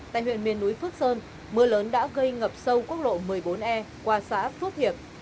tại huyện miền núi phước sơn mưa lớn đã gây ngập sâu quốc lộ một mươi bốn e qua xã phước hiệp